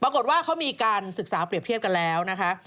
ปรากฏว่าเขามีการศึกษาเปรียบเทียบกันแล้วนะคะ